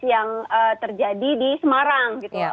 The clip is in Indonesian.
yang terjadi di semarang